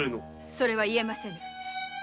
それは言えませぬ。